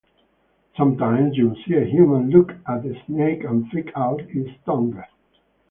Sometimes you’ll see a human look at a snake and flick out its tongue.